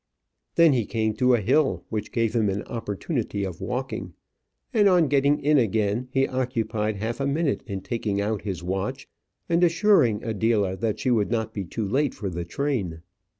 Then he came to a hill which gave him an opportunity of walking; and on getting in again he occupied half a minute in taking out his watch, and assuring Adela that she would not be too late for the train.